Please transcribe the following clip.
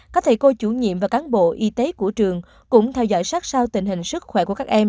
các thầy cô chủ nhiệm và cán bộ y tế của trường cũng theo dõi sát sao tình hình sức khỏe của các em